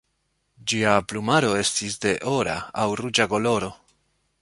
Ĝia plumaro estis de ora aŭ ruĝa koloro.